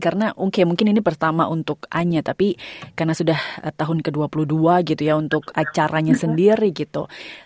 karena mungkin ini pertama untuk anya tapi karena sudah tahun ke dua puluh dua gitu ya untuk acaranya sendiri gitu